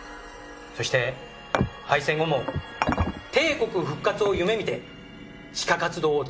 そして敗戦後も帝国復活を夢見て地下活動を続けてきたんだ！